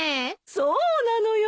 そうなのよ。